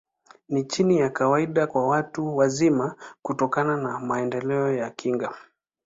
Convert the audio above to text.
Ni chini ya kawaida kwa watu wazima, kutokana na maendeleo ya kinga.